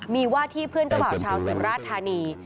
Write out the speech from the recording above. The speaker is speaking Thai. มีว่าที่เพื่อนเจ้าบ่าวชาวสุราชธานี